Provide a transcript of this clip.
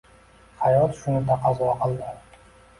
Hayot shuni taqozo qildi.